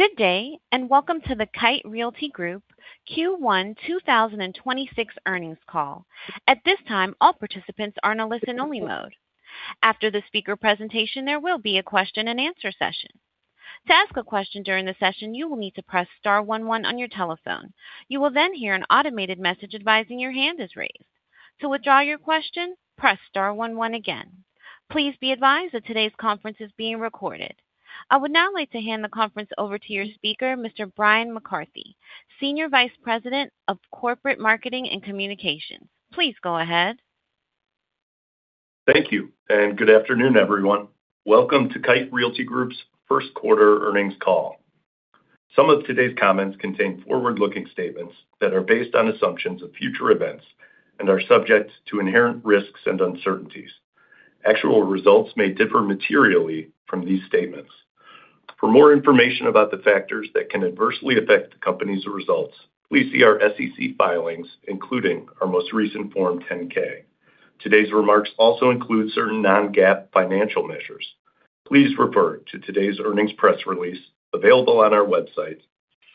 Good day, and welcome to the Kite Realty Group Q1 2026 earnings call. At this time, all participants are in a listen-only mode. After the speaker presentation, there will be a question-and-answer session. Please be advised that today's conference is being recorded. I would now like to hand the conference over to your speaker, Mr. Bryan McCarthy, Senior Vice President, Corporate Marketing & Communications. Please go ahead. Thank you. Good afternoon, everyone. Welcome to Kite Realty Group's first quarter earnings call. Some of today's comments contain forward-looking statements that are based on assumptions of future events and are subject to inherent risks and uncertainties. Actual results may differ materially from these statements. For more information about the factors that can adversely affect the company's results, please see our SEC filings, including our most recent Form 10-K. Today's remarks also include certain non-GAAP financial measures. Please refer to today's earnings press release available on our website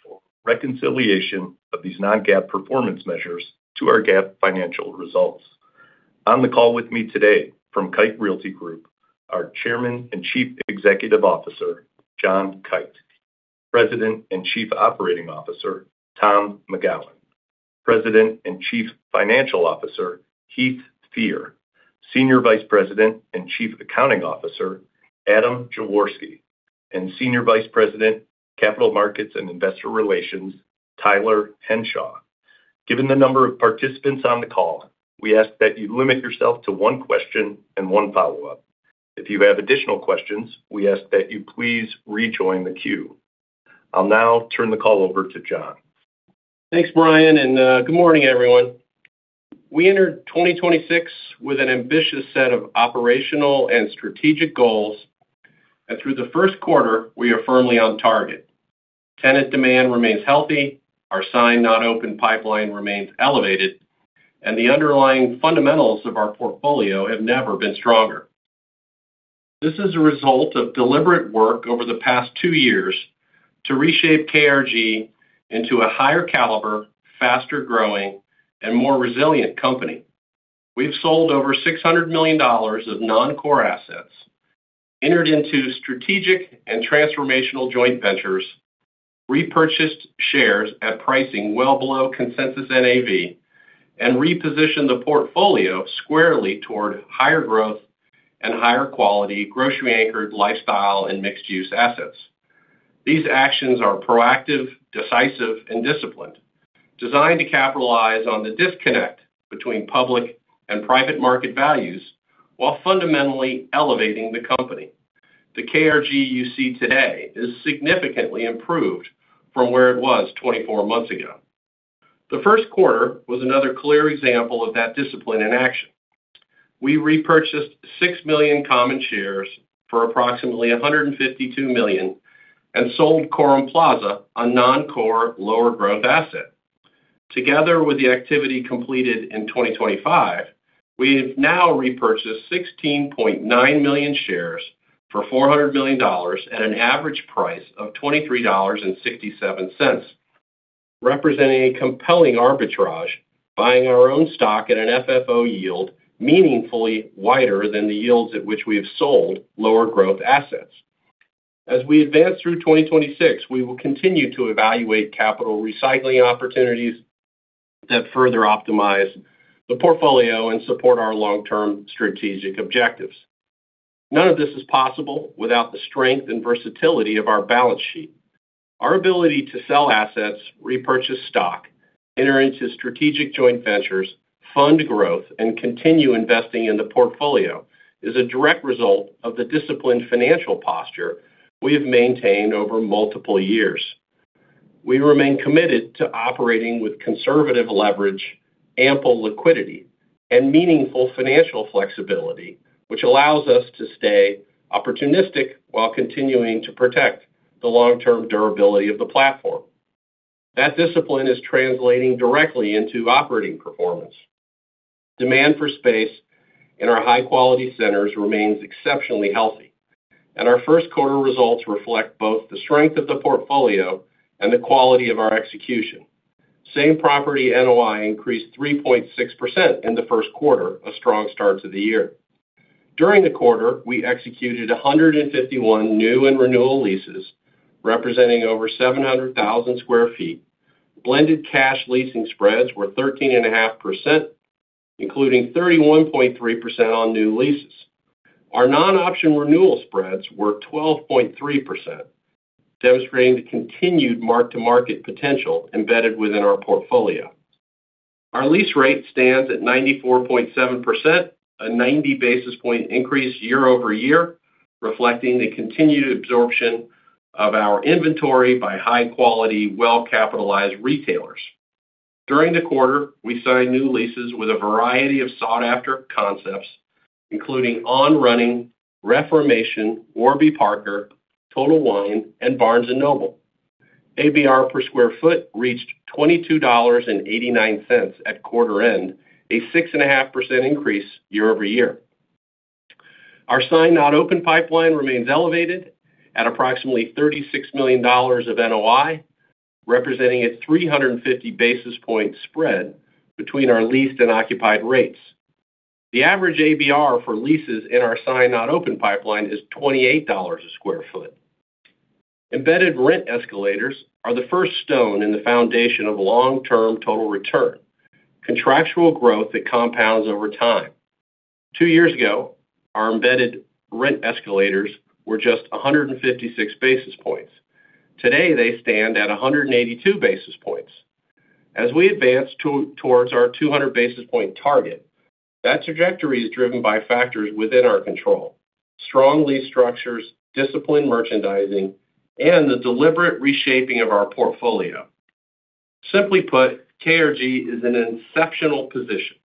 for reconciliation of these non-GAAP performance measures to our GAAP financial results. On the call with me today from Kite Realty Group, our Chairman and Chief Executive Officer, John Kite, President and Chief Operating Officer, Tom McGowan, President and Chief Financial Officer, Heath Fear, Senior Vice President and Chief Accounting Officer, Adam Jaworski, and Senior Vice President, Capital Markets and Investor Relations, Tyler Henshaw. Given the number of participants on the call, we ask that you limit yourself to one question and one follow-up. If you have additional questions, we ask that you please rejoin the queue. I'll now turn the call over to John. Thanks, Bryan, good morning, everyone. We entered 2026 with an ambitious set of operational and strategic goals. Through the first quarter, we are firmly on target. Tenant demand remains healthy. Our signed-not-open pipeline remains elevated, and the underlying fundamentals of our portfolio have never been stronger. This is a result of deliberate work over the past two years to reshape KRG into a higher caliber, faster growing, and more resilient company. We've sold over $600 million of non-core assets, entered into strategic and transformational joint ventures, repurchased shares at pricing well below consensus NAV, and repositioned the portfolio squarely toward higher growth and higher quality grocery anchored lifestyle and mixed use assets. These actions are proactive, decisive, and disciplined, designed to capitalize on the disconnect between public and private market values while fundamentally elevating the company. The KRG you see today is significantly improved from where it was 24 months ago. The first quarter was another clear example of that discipline in action. We repurchased 6 million common shares for approximately $152 million and sold Quorum Plaza, a non-core lower growth asset. Together with the activity completed in 2025, we have now repurchased 16.9 million shares for $400 million at an average price of $23.67, representing a compelling arbitrage, buying our own stock at an FFO yield meaningfully wider than the yields at which we have sold lower growth assets. As we advance through 2026, we will continue to evaluate capital recycling opportunities that further optimize the portfolio and support our long-term strategic objectives. None of this is possible without the strength and versatility of our balance sheet. Our ability to sell assets, repurchase stock, enter into strategic joint ventures, fund growth, and continue investing in the portfolio is a direct result of the disciplined financial posture we have maintained over multiple years. We remain committed to operating with conservative leverage, ample liquidity, and meaningful financial flexibility, which allows us to stay opportunistic while continuing to protect the long-term durability of the platform. That discipline is translating directly into operating performance. Demand for space in our high-quality centers remains exceptionally healthy, and our first quarter results reflect both the strength of the portfolio and the quality of our execution. Same property NOI increased 3.6% in the first quarter, a strong start to the year. During the quarter, we executed 151 new and renewal leases, representing over 700,000 sq ft. Blended cash leasing spreads were 13.5%, including 31.3% on new leases. Our non-option renewal spreads were 12.3%, demonstrating the continued mark-to-market potential embedded within our portfolio. Our lease rate stands at 94.7%, a 90 basis point increase year-over-year, reflecting the continued absorption of our inventory by high-quality, well-capitalized retailers. During the quarter, we signed new leases with a variety of sought-after concepts, including On Running, Reformation, Warby Parker, Total Wine, and Barnes & Noble. ABR per sq ft reached $22.89 at quarter-end, a 6.5% increase year-over-year. Our signed-not-open pipeline remains elevated at approximately $36 million of NOI, representing a 350 basis point spread between our leased and occupied rates. The average ABR for leases in our Signed-not-open pipeline is $28 a sq ft. Embedded rent escalators are the first stone in the foundation of long-term total return, contractual growth that compounds over time. Two years ago, our embedded rent escalators were just 156 basis points. Today, they stand at 182 basis points. As we advance towards our 200 basis point target, that trajectory is driven by factors within our control: strong lease structures, disciplined merchandising, and the deliberate reshaping of our portfolio. Simply put, KRG is in an exceptional position.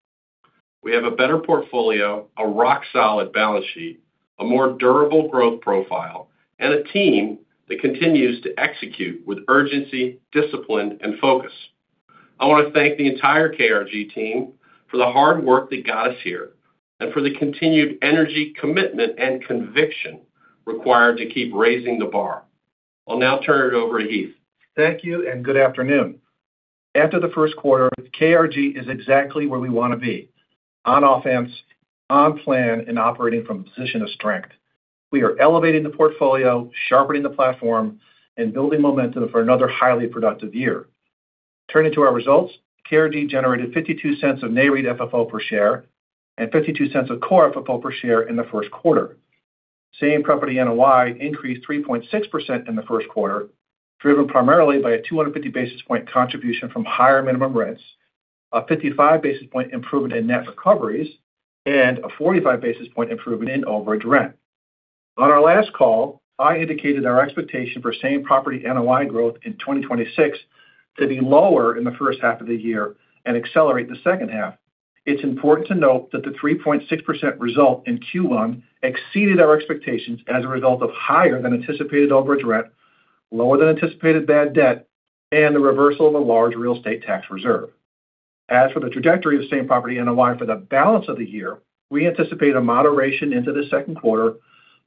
We have a better portfolio, a rock-solid balance sheet, a more durable growth profile, and a team that continues to execute with urgency, discipline, and focus. I want to thank the entire KRG team for the hard work that got us here and for the continued energy, commitment, and conviction required to keep raising the bar. I'll now turn it over to Heath. Thank you and good afternoon. After the first quarter, KRG is exactly where we want to be: on offense, on plan, and operating from a position of strength. We are elevating the portfolio, sharpening the platform, and building momentum for another highly productive year. Turning to our results, KRG generated $0.52 of NAREIT FFO per share and $0.52 of Core FFO per share in the first quarter. Same property NOI increased 3.6% in the first quarter, driven primarily by a 250 basis point contribution from higher minimum rents, a 55 basis point improvement in net recoveries, and a 45 basis point improvement in overage rent. On our last call, I indicated our expectation for same property NOI growth in 2026 to be lower in the first half of the year and accelerate in the second half. It's important to note that the 3.6% result in Q1 exceeded our expectations as a result of higher than anticipated overage rent, lower than anticipated bad debt, and the reversal of a large real estate tax reserve. As for the trajectory of same property NOI for the balance of the year, we anticipate a moderation into the second quarter,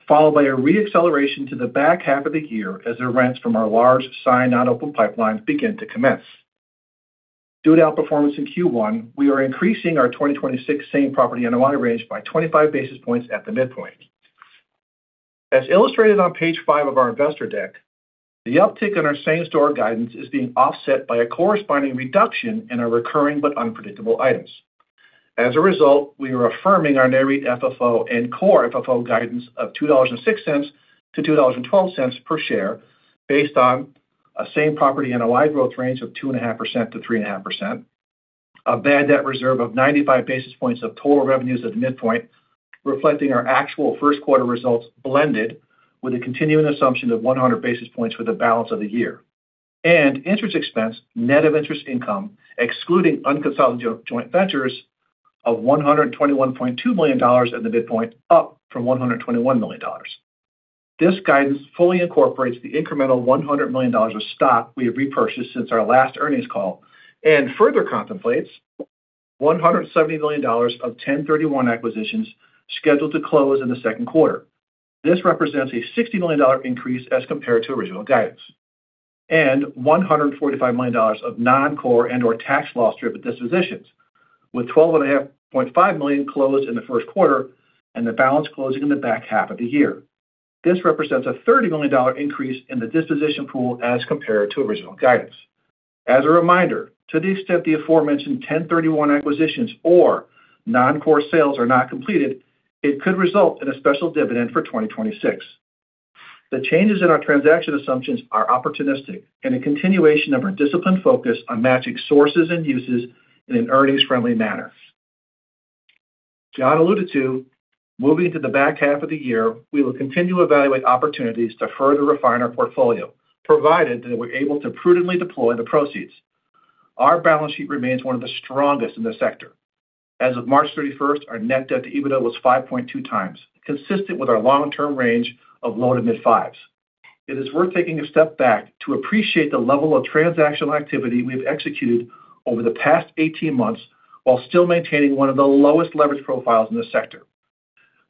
followed by a re-acceleration to the back half of the year as the rents from our large signed-not-open pipelines begin to commence. Due to outperformance in Q1, we are increasing our 2026 same property NOI range by 25 basis points at the midpoint. As illustrated on page five of our investor deck, the uptick in our same store guidance is being offset by a corresponding reduction in our recurring but unpredictable items. As a result, we are affirming our NAREIT FFO and Core FFO guidance of $2.06-$2.12 per share based on a same property NOI growth range of 2.5%-3.5%. A bad debt reserve of 95 basis points of total revenues at the midpoint, reflecting our actual first quarter results blended with a continuing assumption of 100 basis points for the balance of the year. Interest expense, net of interest income, excluding unconsolidated joint ventures of $121.2 million at the midpoint, up from $121 million. This guidance fully incorporates the incremental $100 million of stock we have repurchased since our last earnings call and further contemplates $170 million of 1031 acquisitions scheduled to close in the second quarter. This represents a $60 million increase as compared to original guidance. $145 million of non-core and/or tax loss trip dispositions, with $12.5 million closed in the first quarter and the balance closing in the back half of the year. This represents a $30 million increase in the disposition pool as compared to original guidance. As a reminder, to the extent the aforementioned 1031 acquisitions or non-core sales are not completed, it could result in a special dividend for 2026. The changes in our transaction assumptions are opportunistic and a continuation of our disciplined focus on matching sources and uses in an earnings-friendly manner. John alluded to moving to the back half of the year, we will continue to evaluate opportunities to further refine our portfolio, provided that we're able to prudently deploy the proceeds. Our balance sheet remains one of the strongest in the sector. As of March 31, our net debt to EBITDA was 5.2x, consistent with our long-term range of low to mid-5s. It is worth taking a step back to appreciate the level of transactional activity we've executed over the past 18 months while still maintaining one of the lowest leverage profiles in the sector.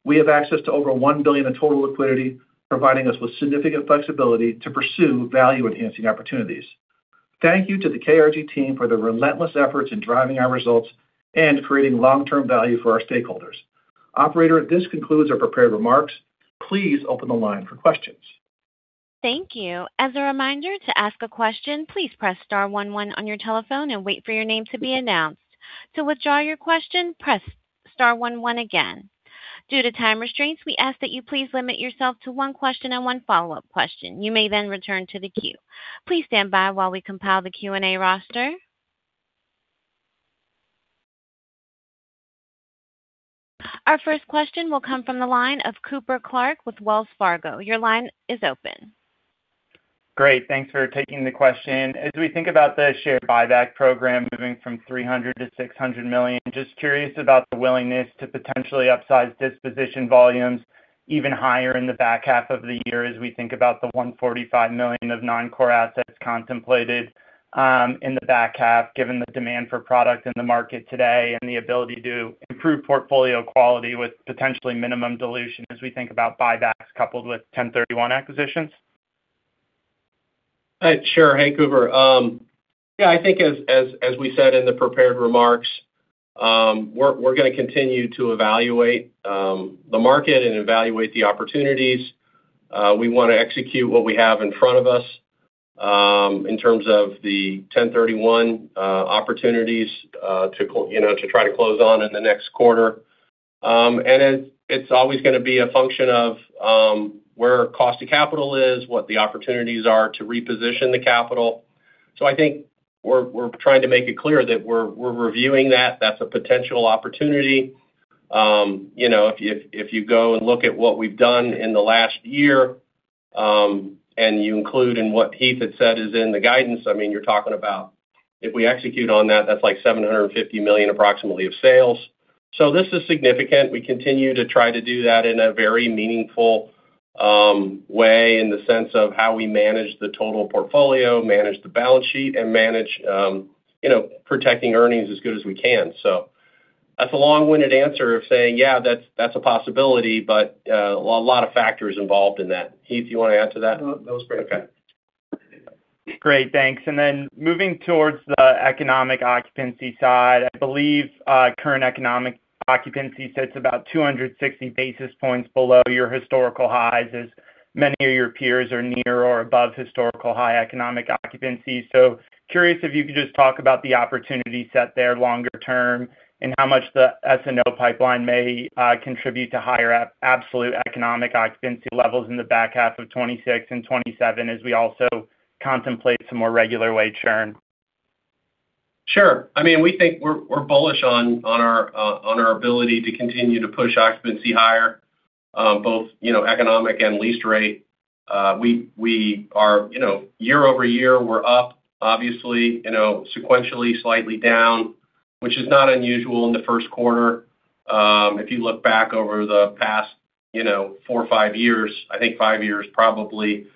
We have access to over $1 billion in total liquidity, providing us with significant flexibility to pursue value-enhancing opportunities. Thank you to the KRG team for the relentless efforts in driving our results and creating long-term value for our stakeholders. Operator, this concludes our prepared remarks. Please open the line for questions. Thank you. As a reminder, to ask a question, please press star one one on your telephone and wait for your name to be announced. To withdraw your question, press star one one again. Due to time restraints, we ask that you please limit yourself to one question and one follow-up question. You may return to the queue. Please stand by while we compile the Q&A roster. Our first question will come from the line of Cooper Clark with Wells Fargo. Your line is open. Great. Thanks for taking the question. As we think about the share buyback program moving from $300 million-$600 million, just curious about the willingness to potentially upsize disposition volumes even higher in the back half of the year as we think about the $145 million of non-core assets contemplated in the back half, given the demand for product in the market today and the ability to improve portfolio quality with potentially minimum dilution as we think about buybacks coupled with 1031 acquisitions. Sure. Hey, Cooper. Yeah, I think as we said in the prepared remarks, we're gonna continue to evaluate the market and evaluate the opportunities. We wanna execute what we have in front of us, in terms of the 1031 opportunities, you know, to try to close on in the next quarter. And it's always gonna be a function of where cost of capital is, what the opportunities are to reposition the capital. I think we're trying to make it clear that we're reviewing that's a potential opportunity. You know, if, if you go and look at what we've done in the last year, and you include in what Heath had said is in the guidance, I mean, you're talking about if we execute on that's like $750 million approximately of sales. This is significant. We continue to try to do that in a very meaningful way in the sense of how we manage the total portfolio, manage the balance sheet, and manage, you know, protecting earnings as good as we can. That's a long-winded answer of saying, yeah, that's a possibility, but a lot of factors involved in that. Heath, you wanna add to that? No, that was great. Okay. Great. Thanks. Moving towards the economic occupancy side, I believe current economic occupancy sits about 260 basis points below your historical highs, as many of your peers are near or above historical high economic occupancy. Curious if you could just talk about the opportunity set there longer term, and how much the S&O pipeline may contribute to higher absolute economic occupancy levels in the back half of 2026 and 2027, as we also contemplate some more regular wage churn. Sure. I mean, we think we're bullish on our ability to continue to push occupancy higher, you know, both economic and lease rate. We are, you know, year-over-year, we're up, obviously, you know, sequentially slightly down, which is not unusual in the first quarter. If you look back over the past, you know, four or five years, I think five years probably,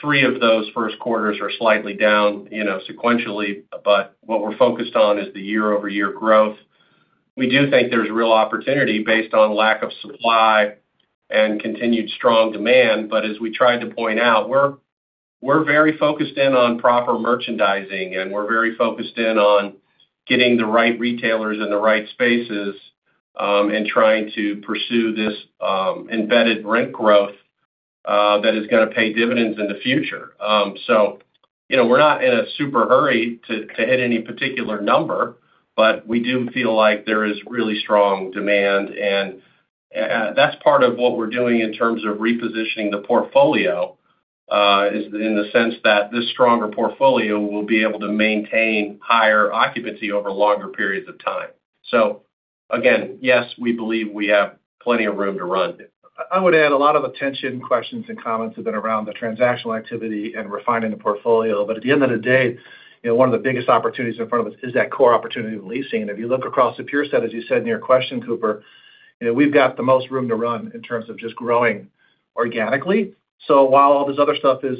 three of those first quarters are slightly down, you know, sequentially. What we're focused on is the year-over-year growth. We do think there's real opportunity based on lack of supply and continued strong demand. As we tried to point out, we're very focused in on proper merchandising, and we're very focused in on getting the right retailers in the right spaces, and trying to pursue this embedded rent growth that is gonna pay dividends in the future. You know, we're not in a super hurry to hit any particular number, but we do feel like there is really strong demand. That's part of what we're doing in terms of repositioning the portfolio, is in the sense that this stronger portfolio will be able to maintain higher occupancy over longer periods of time. Again, yes, we believe we have plenty of room to run. I would add a lot of attention, questions, and comments have been around the transactional activity and refining the portfolio. At the end of the day, you know, one of the biggest opportunities in front of us is that core opportunity of leasing. If you look across the peer set, as you said in your question, Cooper, you know, we've got the most room to run in terms of just growing organically. While all this other stuff is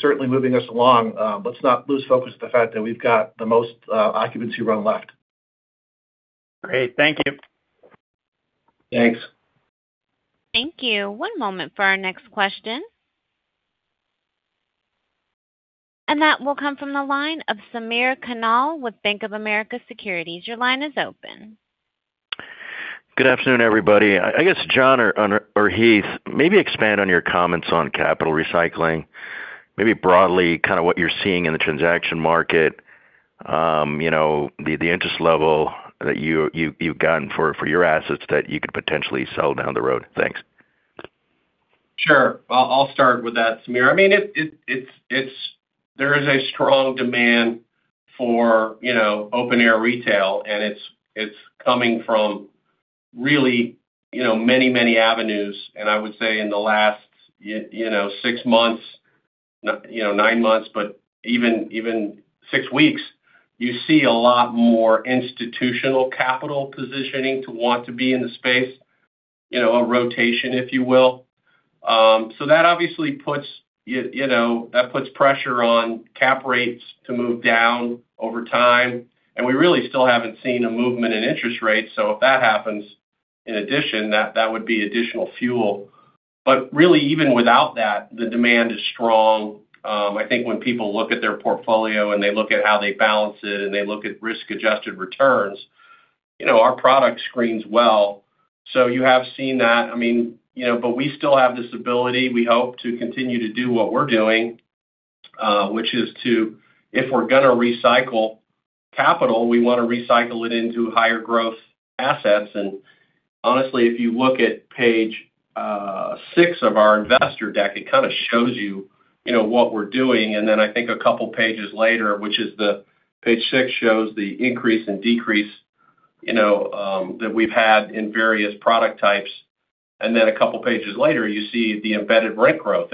certainly moving us along, let's not lose focus of the fact that we've got the most occupancy run left. Great. Thank you. Thanks. Thank you. One moment for our next question. That will come from the line of Sameer Kanal with Bank of America Securities. Your line is open. Good afternoon, everybody. I guess, John or Heath, maybe expand on your comments on capital recycling, maybe broadly kind of what you're seeing in the transaction market, you know, the interest level that you've gotten for your assets that you could potentially sell down the road. Thanks. Sure. I'll start with that, Sameer. I mean, it's, there is a strong demand for, you know, open air retail, and it's coming from really, you know, many, many avenues. I would say in the last, you know, six months, you know, nine months, but even six weeks, you see a lot more institutional capital positioning to want to be in the space, you know, a rotation, if you will. That obviously puts, you know, that puts pressure on cap rates to move down over time. We really still haven't seen a movement in interest rates. If that happens in addition, that would be additional fuel. Really, even without that, the demand is strong. I think when people look at their portfolio and they look at how they balance it and they look at risk-adjusted returns, you know, our product screens well. I mean, you know, we still have this ability, we hope, to continue to do what we're doing, which is to, if we're gonna recycle capital, we wanna recycle it into higher growth assets. Honestly, if you look at page six of our investor deck, it kind of shows you know, what we're doing. I think a couple pages later, which is the page six shows the increase and decrease, you know, that we've had in various product types. A couple pages later, you see the embedded rent growth,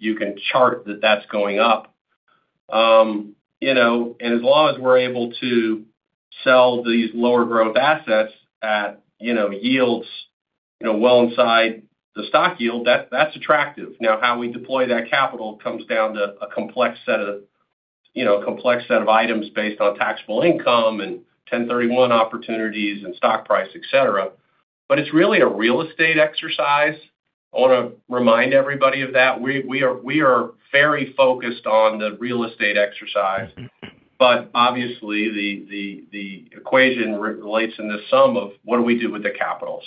you can chart that that's going up. You know, as long as we're able to sell these lower growth assets at, you know, yields, you know, well inside the stock yield, that's attractive. Now, how we deploy that capital comes down to a complex set of items based on taxable income and 1031 opportunities and stock price, et cetera. It's really a real estate exercise. I wanna remind everybody of that. We are very focused on the real estate exercise. Obviously, the equation relates in the sum of what do we do with the capital.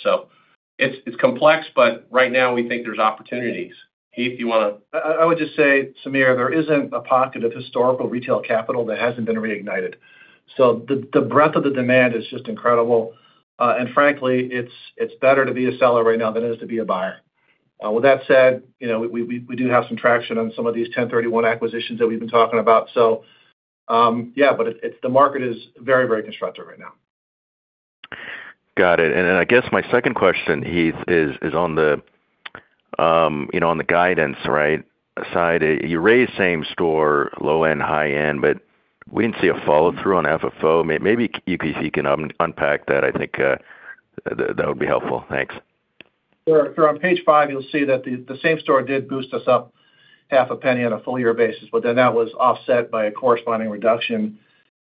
It's complex, but right now we think there's opportunities. Heath, you wanna. I would just say, Sameer, there isn't a pocket of historical retail capital that hasn't been reignited. The breadth of the demand is just incredible. And frankly, it's better to be a seller right now than it is to be a buyer. With that said, you know, we do have some traction on some of these 1031 acquisitions that we've been talking about. Yeah, but the market is very, very constructive right now. Got it. I guess my second question, Heath, is on the, you know, on the guidance, right? Aside, you raised same store, low-end, high-end, we didn't see a follow-through on FFO. Maybe you, Heath, can unpack that. I think that would be helpful. Thanks. Sure. If you're on page five, you'll see that the same store did boost us up half a penny on a full year basis, but then that was offset by a corresponding reduction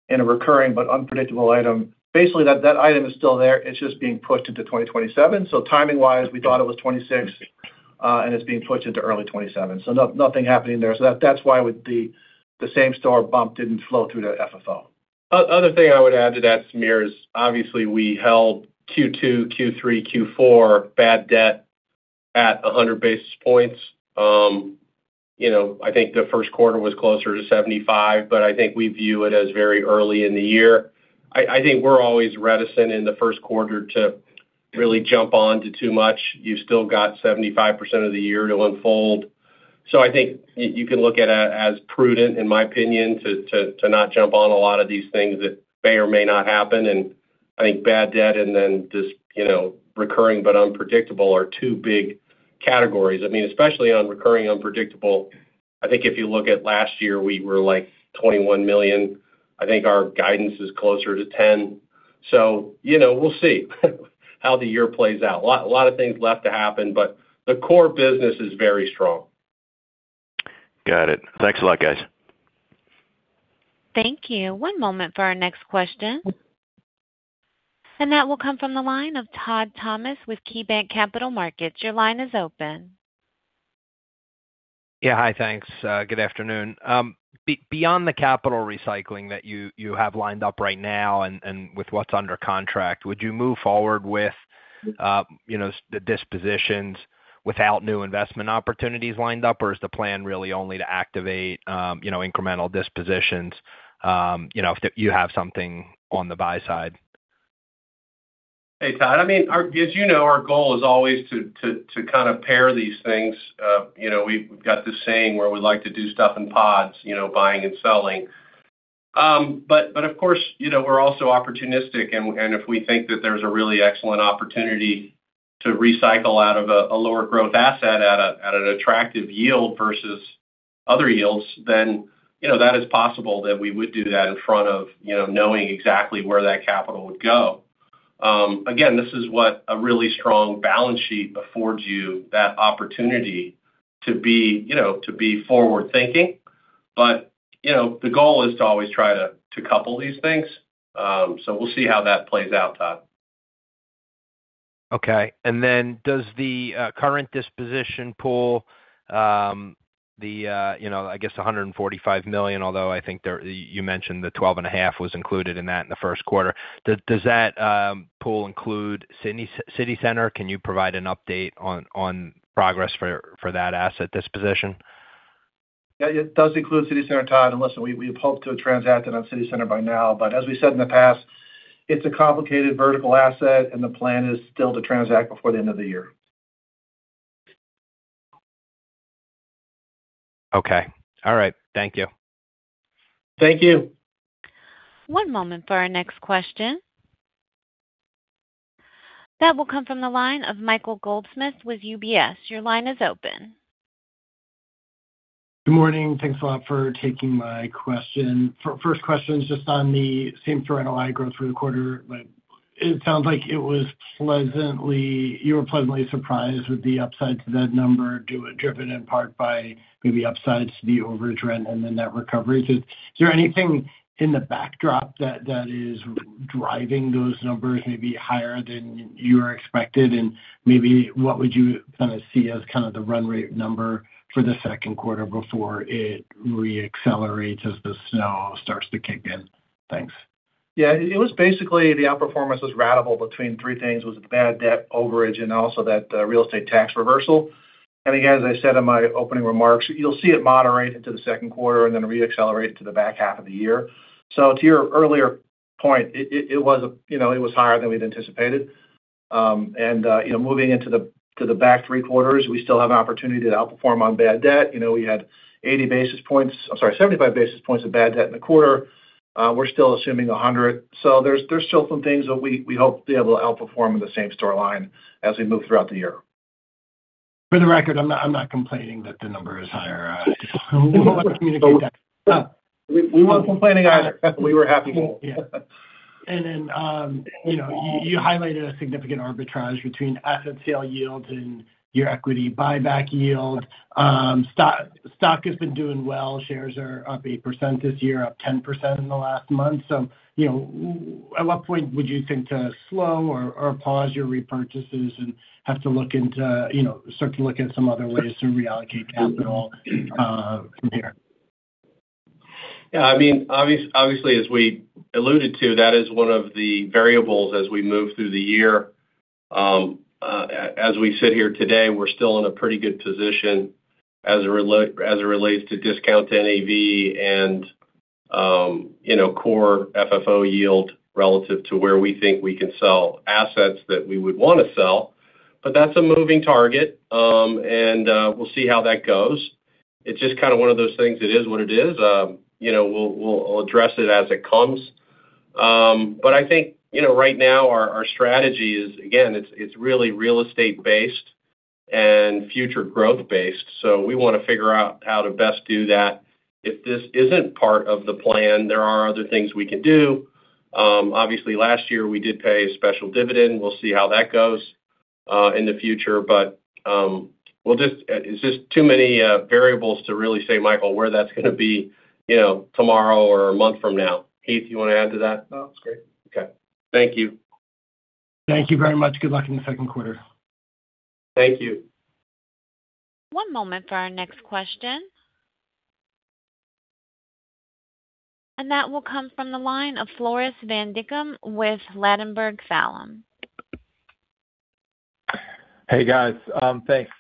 in a recurring but unpredictable item. Basically, that item is still there. It's just being pushed into 2027. Timing wise, we thought it was 2026, and it's being pushed into early 2027. Nothing happening there. That's why with the same store bump didn't flow through to FFO. Other thing I would add to that, Sameer, is obviously we held Q2, Q3, Q4 bad debt at 100 basis points. You know, I think the first quarter was closer to 75, but I think we view it as very early in the year. I think we're always reticent in the first quarter to really jump on to too much. You've still got 75% of the year to unfold. I think you can look at it as prudent, in my opinion, to not jump on a lot of these things that may or may not happen. I think bad debt and then just, you know, recurring but unpredictable are two big categories. I mean, especially on recurring unpredictable, I think if you look at last year, we were like $21 million. I think our guidance is closer to $10. You know, we'll see how the year plays out. A lot of things left to happen, but the core business is very strong. Got it. Thanks a lot, guys. Thank you. One moment for our next question. That will come from the line of Todd Thomas with KeyBanc Capital Markets. Yeah. Hi, thanks. Good afternoon. Beyond the capital recycling that you have lined up right now and with what's under contract, would you move forward with, you know, the dispositions without new investment opportunities lined up? Is the plan really only to activate, you know, incremental dispositions, you know, if you have something on the buy side? Hey, Todd. I mean, as you know, our goal is always to kind of pair these things. You know, we've got this saying where we like to do stuff in pods, you know, buying and selling. Of course, you know, we're also opportunistic and if we think that there's a really excellent opportunity to recycle out of a lower growth asset at an attractive yield versus other yields, you know, that is possible that we would do that in front of, you know, knowing exactly where that capital would go. Again, this is what a really strong balance sheet affords you that opportunity to be, you know, to be forward-thinking. You know, the goal is to always try to couple these things. We'll see how that plays out, Todd. Okay. Does the current disposition pool, the, I guess $145 million, although I think you mentioned the $12.5 was included in that in the first quarter. Does that pool include City Center? Can you provide an update on progress for that asset disposition? Yeah, it does include City Center, Todd. Listen, we had hoped to transact it on City Center by now. As we said in the past, it's a complicated vertical asset, and the plan is still to transact before the end of the year. Okay. All right. Thank you. Thank you. One moment for our next question. That will come from the line of Michael Goldsmith with UBS. Your line is open. Good morning. Thanks a lot for taking my question. First question is just on the same store NOI growth for the quarter. It sounds like you were pleasantly surprised with the upside to that number, driven in part by maybe upsides to the overage rent and then that recovery. Is there anything in the backdrop that is driving those numbers maybe higher than you were expected? Maybe what would you kind of see as kind of the run rate number for the second quarter before it re-accelerates as the snow starts to kick in? Thanks. It was basically the outperformance was ratable between three things, was bad debt overage and also that real estate tax reversal. Again, as I said in my opening remarks, you'll see it moderate into the second quarter and then re-accelerate to the back half of the year. To your earlier point, it was, you know, it was higher than we'd anticipated. You know, moving into the, to the back three quarters, we still have opportunity to outperform on bad debt. We had 80 basis points, I'm sorry, 75 basis points of bad debt in the quarter. We're still assuming 100. There's still some things that we hope to be able to outperform in the same store line as we move throughout the year. For the record, I'm not complaining that the number is higher. I just want to communicate that. We weren't complaining either. We were happy. You know, you highlighted a significant arbitrage between asset sale yields and your equity buyback yield. Stock has been doing well. Shares are up 8% this year, up 10% in the last month. You know, at what point would you think to slow or pause your repurchases and have to look into, you know, start to look at some other ways to reallocate capital from here? Yeah, I mean, obviously, as we alluded to, that is one of the variables as we move through the year. As we sit here today, we're still in a pretty good position as it relates to discount to NAV and, you know, Core FFO yield relative to where we think we can sell assets that we would wanna sell. That's a moving target, and we'll see how that goes. It's just kind of one of those things, it is what it is. You know, we'll address it as it comes. I think, you know, right now our strategy is, again, it's really real estate based and future growth based. We wanna figure out how to best do that. If this isn't part of the plan, there are other things we can do. Obviously last year we did pay a special dividend. We'll see how that goes in the future. It's just too many variables to really say, Michael, where that's gonna be, you know, tomorrow or a month from now. Heath, you wanna add to that? No, it's great. Okay. Thank you. Thank you very much. Good luck in the second quarter. Thank you. One moment for our next question. That will come from the line of Floris van Dijkum with Ladenburg Thalmann. Hey, guys. Thanks.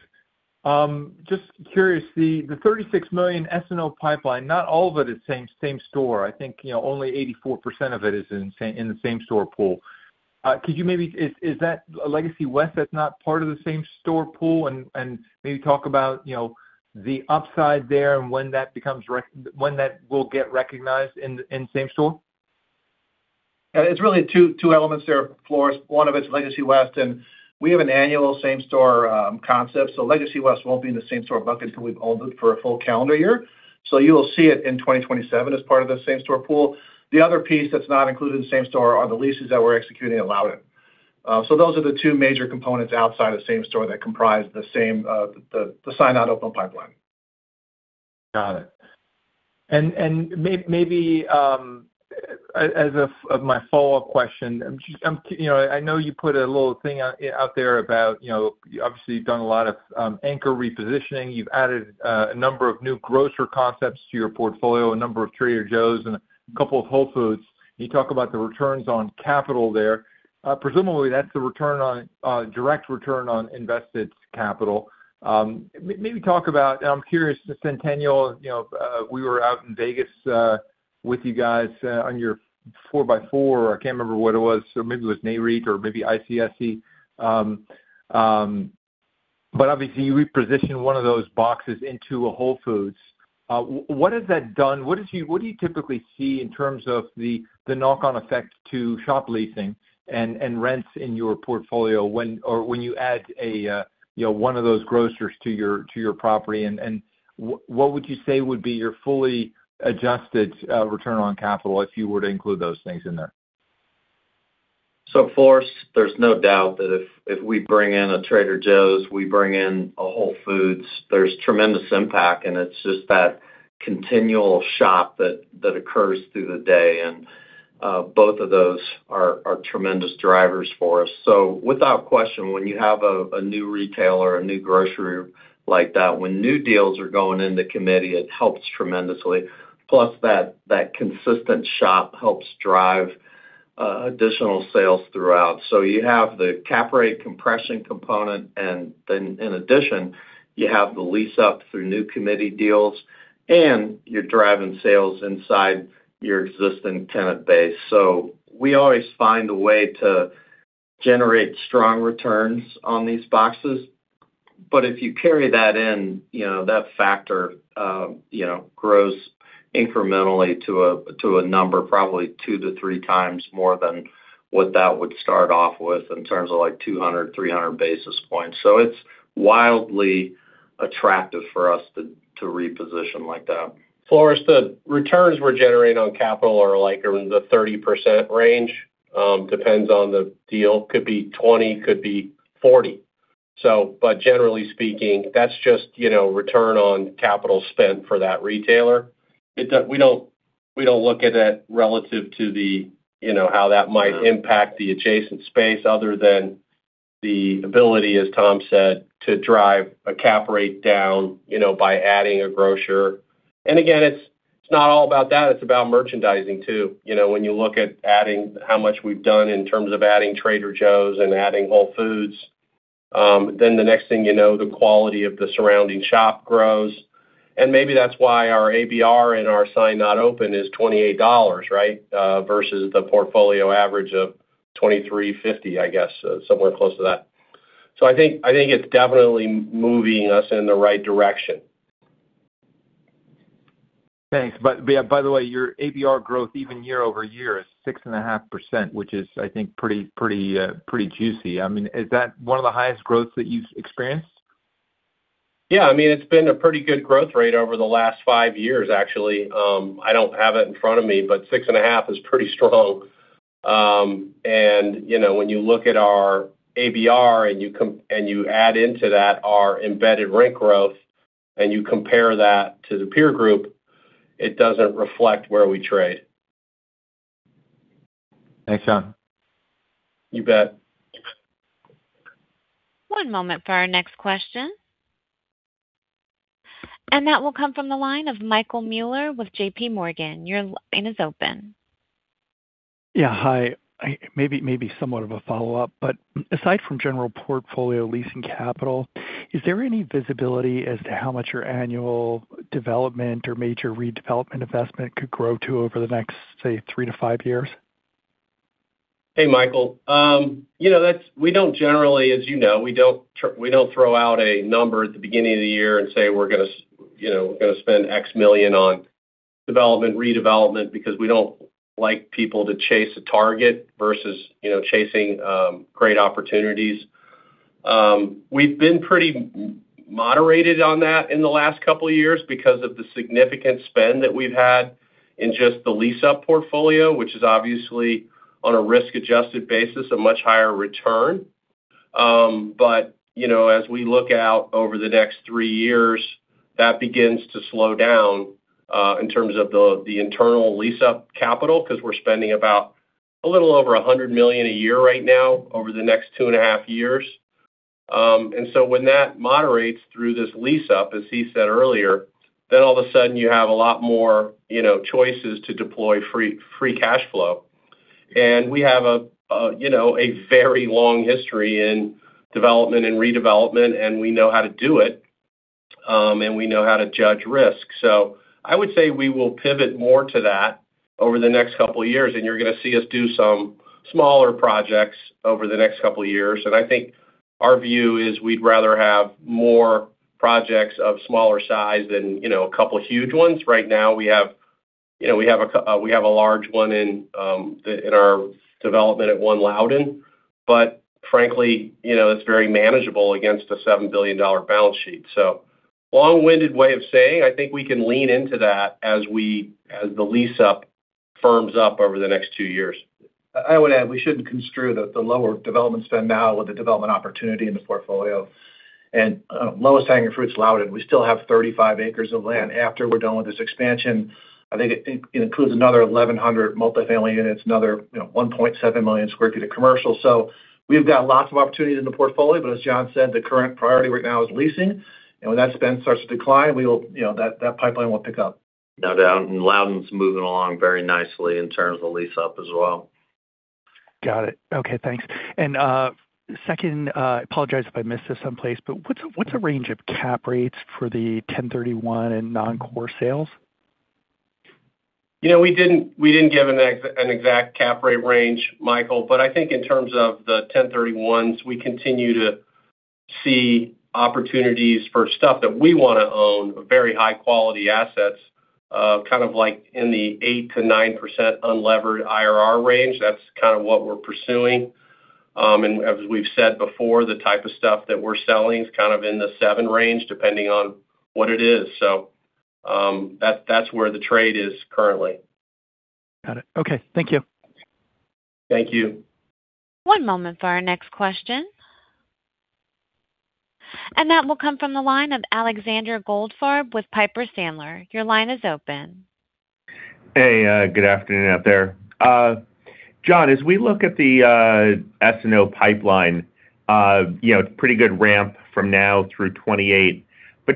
Just curious, the $36 million Signed-not-open pipeline, not all of it is same store. I think, you know, only 84% of it is in the same store pool. Is that a Legacy West that's not part of the same store pool? Maybe talk about, you know, the upside there and when that will get recognized in same store. Yeah, it's really two elements there, Floris. One of it's Legacy West, and we have an annual same store concept. Legacy West won't be in the same store bucket until we've owned it for a full calendar year. You'll see it in 2027 as part of the same store pool. The other piece that's not included in same store are the leases that we're executing at Loudoun. Those are the two major components outside of same store that comprise the sign not open pipeline. Got it. As of my follow-up question, you know, I know you put a little thing out there about, you know, obviously you've done a lot of anchor repositioning. You've added a number of new grocer concepts to your portfolio, a number of Trader Joe's and a couple of Whole Foods. Can you talk about the returns on capital there? Presumably, that's the return on direct return on invested capital. Maybe talk about, I'm curious, the Centennial, you know, we were out in Vegas with you guys on your four by four, I can't remember what it was. Maybe it was NAREIT or maybe ICSC. Obviously you repositioned one of those boxes into a Whole Foods. What has that done? What do you typically see in terms of the knock-on effect to shop leasing and rents in your portfolio or when you add a, you know, one of those grocers to your property? What would you say would be your fully adjusted return on capital if you were to include those things in there? Floris, there's no doubt that if we bring in a Trader Joe's, we bring in a Whole Foods Market, there's tremendous impact, and it's just that continual shop that occurs through the day. Both of those are tremendous drivers for us. Without question, when you have a new retailer, a new grocer like that, when new deals are going in the committee, it helps tremendously. Plus that consistent shop helps drive additional sales throughout. You have the cap rate compression component, and then in addition, you have the lease up through new committee deals, and you're driving sales inside your existing tenant base. We always find a way to generate strong returns on these boxes. If you carry that in, you know, that factor, you know, grows incrementally to a, to a number probably two to three times more than what that would start off with in terms of like 200, 300 basis points. It's wildly attractive for us to reposition like that. Floris, the returns we're generating on capital are like in the 30% range. Depends on the deal. Could be 20, could be 40. Generally speaking, that's just, you know, return on capital spent for that retailer. We don't look at it relative to the, you know, how that might impact the adjacent space other than the ability, as Tom said, to drive a cap rate down, you know, by adding a grocer. Again, it's not all about that, it's about merchandising too. You know, when you look at adding how much we've done in terms of adding Trader Joe's and adding Whole Foods, then the next thing you know, the quality of the surrounding shop grows. Maybe that's why our ABR and our Signed-not-open is $28, right? Versus the portfolio average of $23.50, I guess, somewhere close to that. I think it's definitely moving us in the right direction. Thanks. Yeah, by the way, your ABR growth even year-over-year is 6.5%, which is, I think pretty juicy. I mean, is that one of the highest growths that you've experienced? Yeah, I mean, it's been a pretty good growth rate over the last five years, actually. I don't have it in front of me, but 6.5% is pretty strong. You know, when you look at our ABR and you add into that our embedded rent growth and you compare that to the peer group, it doesn't reflect where we trade. Thanks, John. You bet. One moment for our next question. That will come from the line of Michael Mueller with JPMorgan. Your line is open. Yeah. Hi. Maybe somewhat of a follow-up, aside from general portfolio leasing capital, is there any visibility as to how much your annual development or major redevelopment investment could grow to over the next, say, three to five years? Hey, Michael. You know, we don't generally, as you know, we don't throw out a number at the beginning of the year and say, we're gonna spend X million dollars on development, redevelopment because we don't like people to chase a target versus, you know, chasing great opportunities. We've been pretty moderated on that in the last couple of years because of the significant spend that we've had in just the lease-up portfolio, which is obviously on a risk-adjusted basis, a much higher return. You know, as we look out over the next three years, that begins to slow down in terms of the internal lease-up capital, 'cause we're spending about a little over $100 million a year right now over the next two and a half years. When that moderates through this lease-up, as he said earlier, then all of a sudden you have a lot more, you know, choices to deploy free cash flow. We have a, you know, a very long history in development and redevelopment, and we know how to do it, and we know how to judge risk. I would say we will pivot more to that over the next couple of years, and you're gonna see us do some smaller projects over the next couple of years. I think our view is we'd rather have more projects of smaller size than, you know, a couple of huge ones. Right now, we have, you know, we have a large one in our development at One Loudoun, but frankly, you know, it's very manageable against a $7 billion balance sheet. Long-winded way of saying, I think we can lean into that as the lease-up firms up over the next two years. I would add, we shouldn't construe the lower development spend now with the development opportunity in the portfolio. Lowest hanging fruit's Loudoun. We still have 35 acres of land after we're done with this expansion. I think it includes another 1,100 multi-family units, another, you know, 1.7 million sq ft of commercial. We've got lots of opportunities in the portfolio, but as John said, the current priority right now is leasing. When that spend starts to decline, we will, you know, that pipeline will pick up. No doubt. Loudoun's moving along very nicely in terms of lease-up as well. Got it. Okay, thanks. Second, I apologize if I missed this someplace, but what's a range of cap rates for the 1031 and non-core sales? You know, we didn't give an exact cap rate range, Michael, but I think in terms of the 1031s, we continue to see opportunities for stuff that we wanna own, very high-quality assets, kind of like in the 8%-9% unlevered IRR range. That's kind of what we're pursuing. And as we've said before, the type of stuff that we're selling is kind of in the 7% range, depending on what it is. That's where the trade is currently. Got it. Okay. Thank you. Thank you. One moment for our next question. That will come from the line of Alexander Goldfarb with Piper Sandler. Your line is open. Hey, good afternoon out there. John, as we look at the S&O pipeline, you know, pretty good ramp from now through 2028.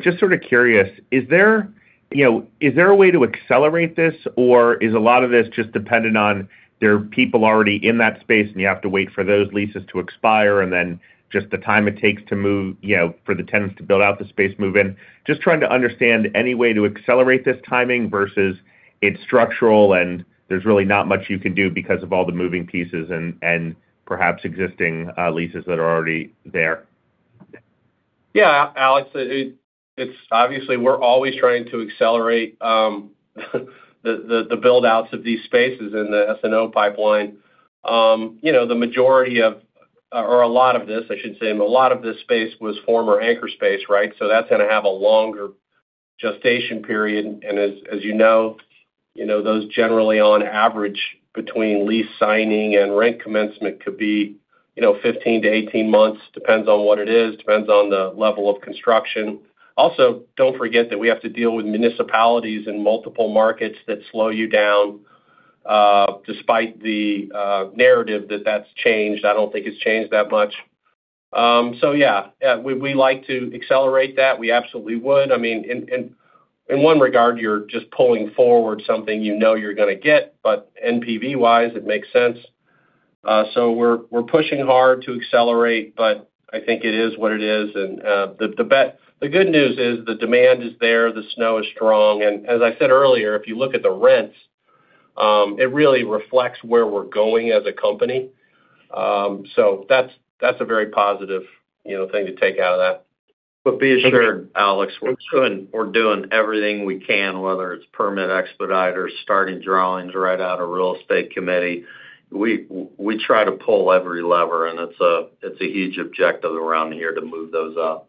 Just sort of curious, is there, you know, is there a way to accelerate this, or is a lot of this just dependent on there are people already in that space and you have to wait for those leases to expire and then just the time it takes to move, you know, for the tenants to build out the space, move in? Just trying to understand any way to accelerate this timing versus it's structural and there's really not much you can do because of all the moving pieces and perhaps existing leases that are already there. Yeah, Alex, it's obviously we're always trying to accelerate the build-outs of these spaces in the S&O pipeline. You know, the majority of, or a lot of this, I should say, I mean, a lot of this space was former anchor space, right? That's gonna have a longer gestation period. As you know, you know, those generally on average between lease signing and rent commencement could be, you know, 15-18 months, depends on what it is, depends on the level of construction. Also, don't forget that we have to deal with municipalities in multiple markets that slow you down despite the narrative that that's changed. I don't think it's changed that much. Yeah, we like to accelerate that. We absolutely would. I mean, in one regard, you're just pulling forward something you know you're gonna get, but NPV-wise, it makes sense. We're pushing hard to accelerate, but I think it is what it is. The good news is the demand is there, the S&O is strong. As I said earlier, if you look at the rents, it really reflects where we're going as a company. That's a very positive, you know, thing to take out of that. Be assured, Alex, we're doing everything we can, whether it's permit expedite or starting drawings right out of real estate committee. We try to pull every lever, and it's a huge objective around here to move those up.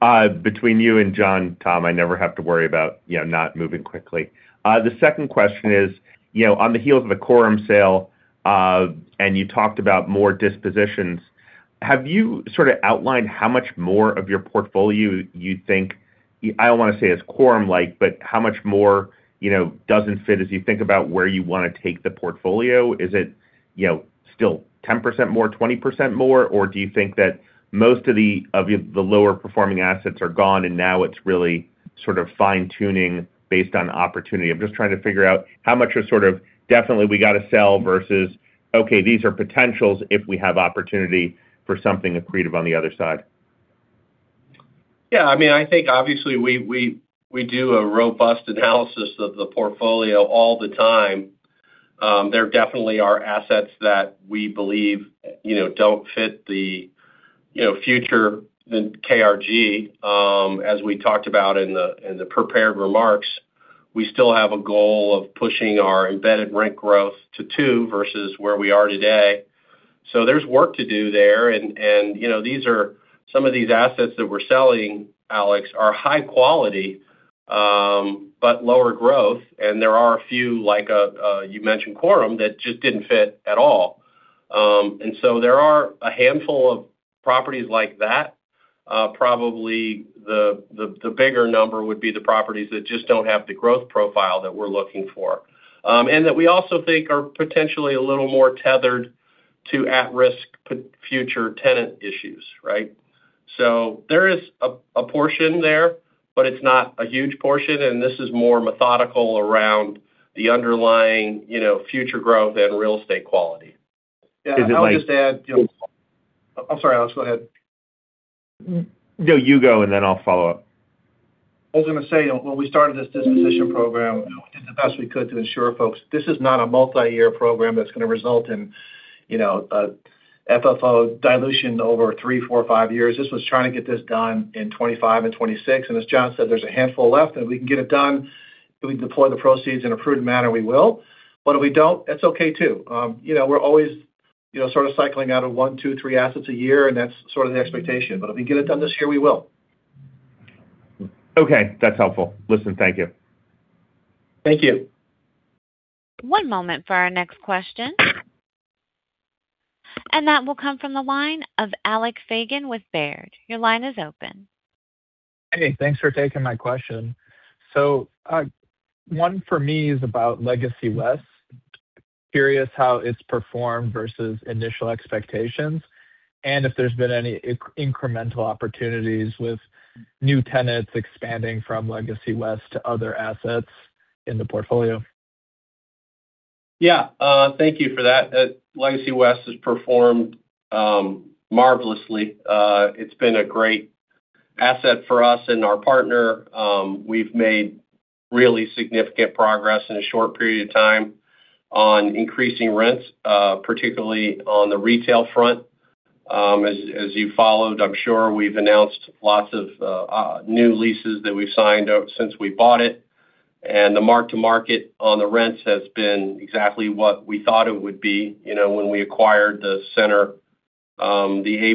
Between you and John, Tom, I never have to worry about, you know, not moving quickly. The second question is, you know, on the heels of the Quorum sale, and you talked about more dispositions, have you sort of outlined how much more of your portfolio you think, I don't wanna say it's Quorum-like, but how much more, you know, doesn't fit as you think about where you wanna take the portfolio? Is it, you know, still 10% more, 20% more, or do you think that most of the lower performing assets are gone and now it's really sort of fine-tuning based on opportunity? I'm just trying to figure out how much are sort of definitely we gotta sell versus, okay, these are potentials if we have opportunity for something accretive on the other side. Yeah, I mean, I think obviously we do a robust analysis of the portfolio all the time. There definitely are assets that we believe, you know, don't fit the, you know, future KRG. As we talked about in the prepared remarks, we still have a goal of pushing our embedded rent growth to two versus where we are today. There's work to do there. You know, some of these assets that we're selling, Alex, are high quality, but lower growth. There are a few, like, you mentioned Quorum, that just didn't fit at all. There are a handful of properties like that. Probably the bigger number would be the properties that just don't have the growth profile that we're looking for, and that we also think are potentially a little more tethered to at-risk future tenant issues, right? There is a portion there, but it's not a huge portion, and this is more methodical around the underlying, you know, future growth and real estate quality. Is it like- Yeah, I'll just add, you know. I'm sorry, Alex, go ahead. No, you go and then I'll follow up. I was gonna say, when we started this disposition program, we did the best we could to ensure folks this is not a multi-year program that's gonna result in, you know, a FFO dilution over three, four, five years. This was trying to get this done in 2025 and 2026. As John said, there's a handful left, and if we can get it done, if we deploy the proceeds in a prudent manner, we will. If we don't, that's okay too. You know, we're always, you know, sort of cycling out of one, two, three assets a year, and that's sort of the expectation. If we can get it done this year, we will. Okay, that's helpful. Listen, thank you. Thank you. One moment for our next question. That will come from the line of Alec Feygin with Baird. Hey, thanks for taking my question. One for me is about Legacy West. Curious how it's performed versus initial expectations, and if there's been any incremental opportunities with new tenants expanding from Legacy West to other assets in the portfolio. Thank you for that. Legacy West has performed marvelously. It's been a great asset for us and our partner. We've made really significant progress in a short period of time on increasing rents, particularly on the retail front. As you followed, I'm sure we've announced lots of new leases that we've signed since we bought it. The mark to market on the rents has been exactly what we thought it would be. You know, when we acquired the center, the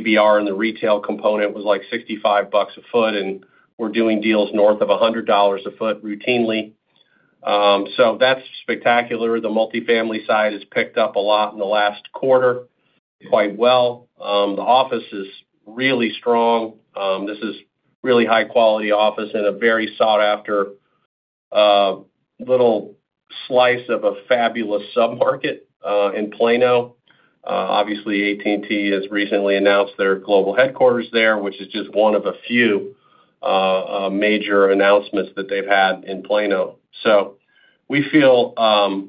ABR and the retail component was like $65 a ft, we're doing deals north of $100 a ft routinely. That's spectacular. The multifamily side has picked up a lot in the last quarter quite well. The office is really strong. This is really high quality office in a very sought after little slice of a fabulous sub-market in Plano. Obviously, AT&T has recently announced their global headquarters there, which is just one of a few major announcements that they've had in Plano. We feel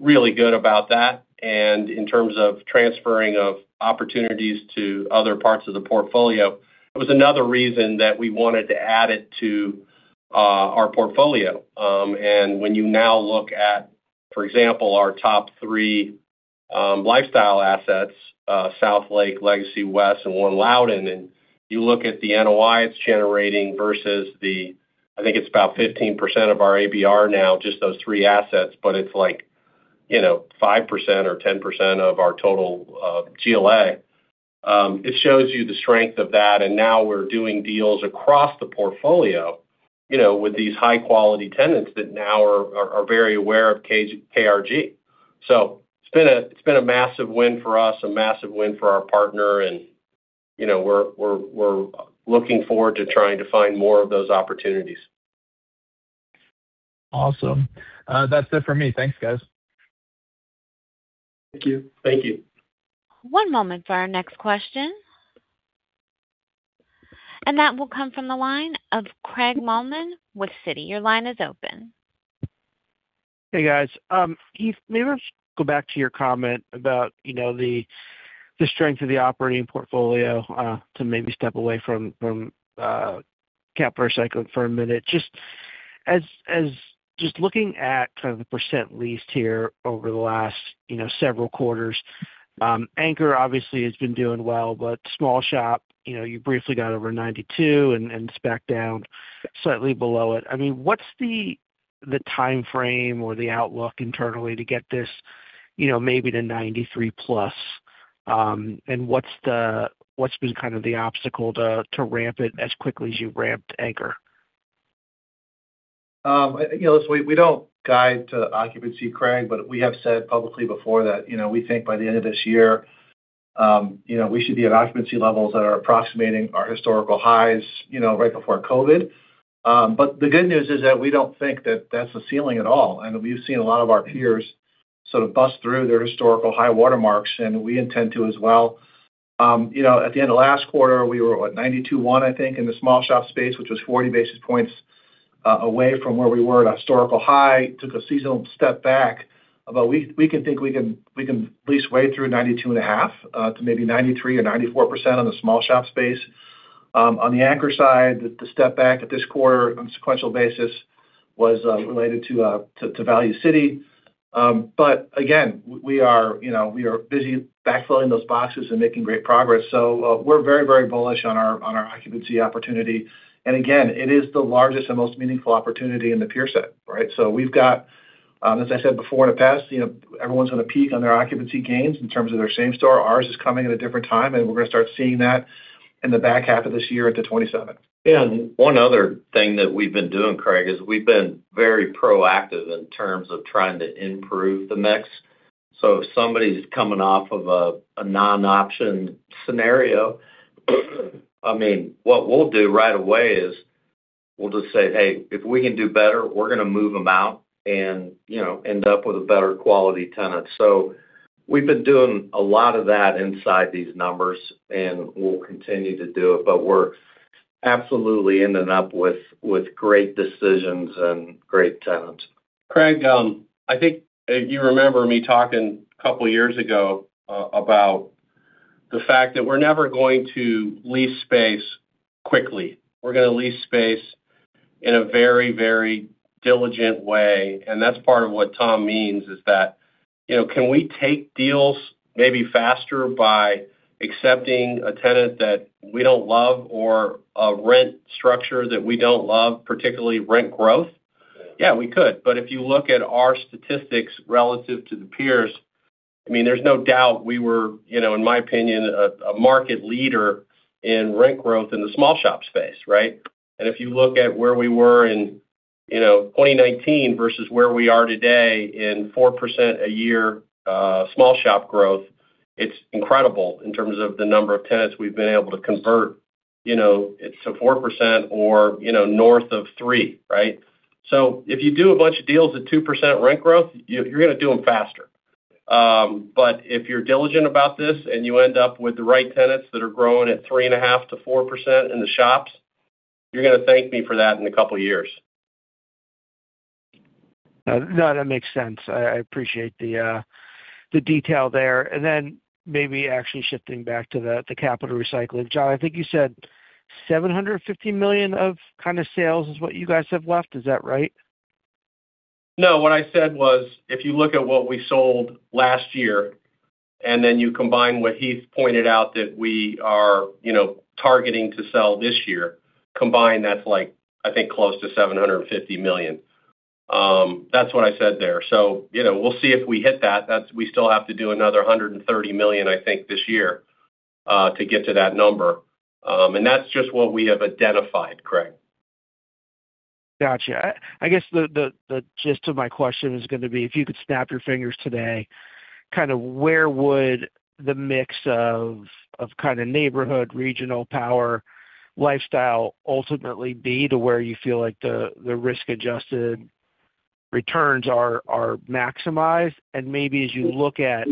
really good about that. In terms of transferring of opportunities to other parts of the portfolio, it was another reason that we wanted to add it to our portfolio. When you now look at, for example, our top three lifestyle assets, Southlake, Legacy West and One Loudoun, and you look at the NOI it's generating versus the I think it's about 15% of our ABR now, just those three assets, but it's like, you know, 5% or 10% of our total GLA. It shows you the strength of that, and now we're doing deals across the portfolio, you know, with these high quality tenants that now are very aware of KRG. It's been a massive win for us, a massive win for our partner, and, you know, we're looking forward to trying to find more of those opportunities. Awesome. That's it for me. Thanks, guys. Thank you. Thank you. One moment for our next question. That will come from the line of Craig Mailman with Citi. Your line is open. Hey, guys. Heath, maybe let's go back to your comment about, you know, the strength of the operating portfolio, to maybe step away from CapEx cycle for a minute. Just as just looking at 10% leased here over the last, you know, several quarters. Anchor obviously has been doing well, but small shop, you know, you briefly got over 92% and it's back down slightly below it. I mean, what's the timeframe or the outlook internally to get this, you know, maybe to 93%+? What's been kind of the obstacle to ramp it as quickly as you ramped anchor? You know, we don't guide to occupancy, Craig, but we have said publicly before that, you know, we think by the end of this year, you know, we should be at occupancy levels that are approximating our historical highs, you know, right before COVID. The good news is that we don't think that that's a ceiling at all. We've seen a lot of our peers sort of bust through their historical high water marks, and we intend to as well. You know, at the end of last quarter, we were at 92.1, I think, in the small shop space, which was 40 basis points away from where we were at historical high. Took a seasonal step back. We can at least wade through 92.5% to maybe 93% or 94% on the small shop space. On the anchor side, the step back at this quarter on a sequential basis was related to Value City. Again, we are, you know, we are busy backfilling those boxes and making great progress. We're very, very bullish on our occupancy opportunity. Again, it is the largest and most meaningful opportunity in the peer set, right? We've got, as I said before in the past, you know, everyone's gonna peak on their occupancy gains in terms of their same store. Ours is coming at a different time, and we're gonna start seeing that in the back half of this year into 2027. Yeah. One other thing that we've been doing, Craig, is we've been very proactive in terms of trying to improve the mix. If somebody's coming off of a non-option scenario, I mean, what we'll do right away is we'll just say, "Hey, if we can do better, we're gonna move them out and, you know, end up with a better quality tenant." We've been doing a lot of that inside these numbers, and we'll continue to do it, but we're absolutely ending up with great decisions and great tenants. Craig, I think you remember me talking a couple years ago about the fact that we're never going to lease space quickly. We're gonna lease space in a very, very diligent way, that's part of what Tom means is that, you know, can we take deals maybe faster by accepting a tenant that we don't love or a rent structure that we don't love, particularly rent growth? Yeah, we could. If you look at our statistics relative to the peers, I mean, there's no doubt we were, you know, in my opinion, a market leader in rent growth in the small shop space, right? If you look at where we were in, you know, 2019 versus where we are today in 4% a year, small shop growth, it's incredible in terms of the number of tenants we've been able to convert, you know, to 4% or, you know, north of three, right? If you do a bunch of deals at 2% rent growth, you're gonna do them faster. If you're diligent about this and you end up with the right tenants that are growing at 3.5%-4% in the shops, you're gonna thank me for that in couple years. No, that makes sense. I appreciate the detail there. Maybe actually shifting back to the capital recycling. John, I think you said $750 million of kind of sales is what you guys have left. Is that right? No, what I said was, if you look at what we sold last year, and then you combine what he's pointed out that we are, you know, targeting to sell this year, combined, that's like, I think, close to $750 million. That's what I said there. You know, we'll see if we hit that. We still have to do another $130 million, I think, this year, to get to that number. That's just what we have identified, Craig. Gotcha. I guess the gist of my question is gonna be if you could snap your fingers today, kind of where would the mix of kind of neighborhood, regional power, lifestyle ultimately be to where you feel like the risk-adjusted returns are maximized? Maybe as you look at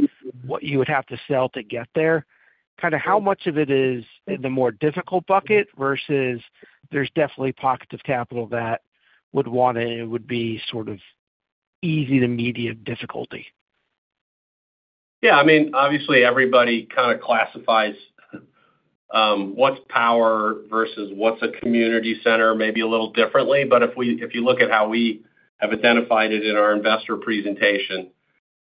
what you would have to sell to get there, kind of how much of it is in the more difficult bucket versus there's definitely pockets of capital that would want and would be sort of easy to medium difficulty. Yeah, I mean, obviously everybody kind of classifies what's power versus what's a community center, maybe a little differently. If you look at how we have identified it in our investor presentation,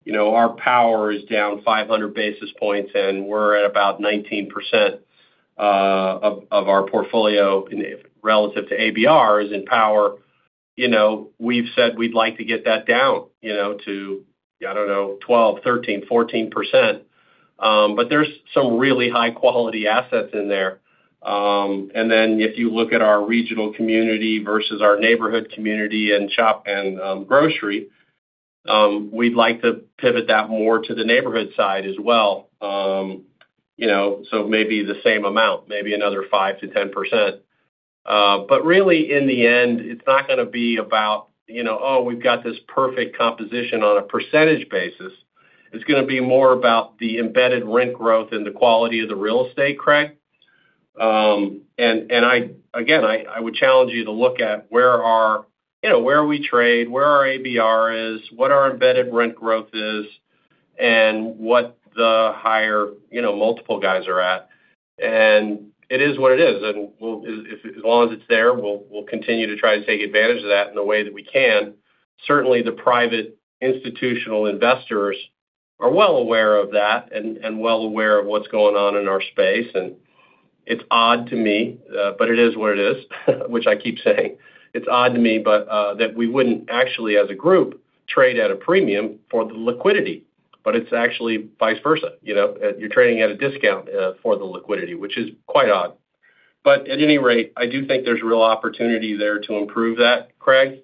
you know, our power is down 500 basis points, and we're at about 19% of our portfolio relative to ABR is in power. You know, we've said we'd like to get that down, you know, to, I don't know, 12%, 13%, 14%. There's some really high-quality assets in there. If you look at our regional community versus our neighborhood community and shop and grocery, we'd like to pivot that more to the neighborhood side as well. You know, maybe the same amount, maybe another 5%-10%. Really, in the end, it's not gonna be about, you know, oh, we've got this perfect composition on a percentage basis. It's gonna be more about the embedded rent growth and the quality of the real estate, Craig. Again, I would challenge you to look at where our, you know, where we trade, where our ABR is, what our embedded rent growth is, and what the higher, you know, multiple guys are at. It is what it is. As long as it's there, we'll continue to try and take advantage of that in the way that we can. Certainly, the private institutional investors are well aware of that and well aware of what's going on in our space. It's odd to me, but it is what it is, which I keep saying. It's odd to me, but, that we wouldn't actually, as a group, trade at a premium for the liquidity, but it's actually vice versa. You know? You're trading at a discount, for the liquidity, which is quite odd. At any rate, I do think there's real opportunity there to improve that, Craig.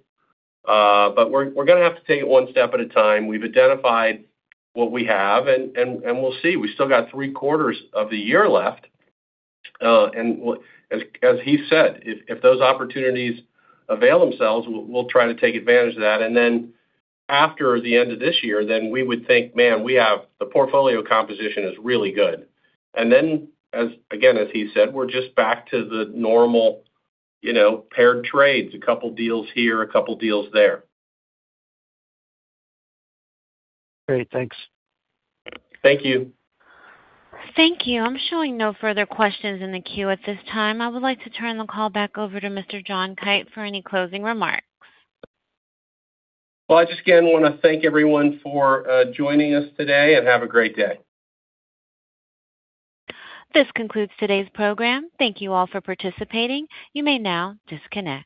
We're gonna have to take it one step at a time. We've identified what we have, and we'll see. We still got three quarters of the year left. As he said, if those opportunities avail themselves, we'll try to take advantage of that. After the end of this year, then we would think, man, we have the portfolio composition is really good. As, again, as he said, we're just back to the normal, you know, paired trades, a couple deals here, a couple deals there. Great. Thanks. Thank you. Thank you. I'm showing no further questions in the queue at this time. I would like to turn the call back over to Mr. John Kite for any closing remarks. I just, again, wanna thank everyone for joining us today, and have a great day. This concludes today's program. Thank you all for participating. You may now disconnect.